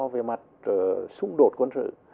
về mặt xúc đột quân sự